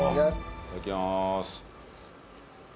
いただきます。